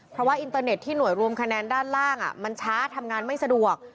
เพราะว่าอินเตอร์เน็ตที่หน่วยรวมคะแนนด้านล่างมันช้าทำงานไม่สะดวก